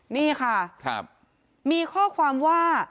นี่ค่ะมีข้อความว่า